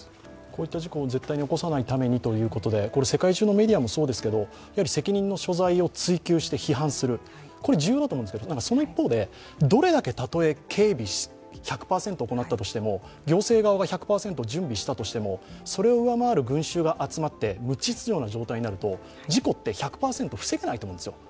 こういった事故を絶対に起こさないためにということで、世界中のメディアもそうですけれども、責任の所在を追及して批判するこれ重要だと思うんですけどその一方で、どれだけたとえ警備、１００％行ったとしても、行政側が１００％準備したとしても、それを上回る群衆が集まる状況になると事故って１００％防げないと思うんですよ。